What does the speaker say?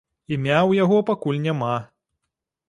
Імя ў яго пакуль няма.